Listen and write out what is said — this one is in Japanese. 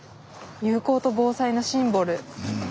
友好と防災のシンボル。